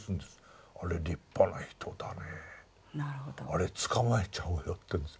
あれ捕まえちゃおうよっていうんです。